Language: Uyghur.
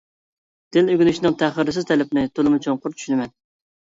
تىل ئۆگىنىشنىڭ تەخىرسىز تەلىپىنى تولىمۇ چوڭقۇر چۈشىنىمەن.